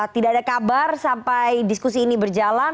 tidak ada kabar sampai diskusi ini berjalan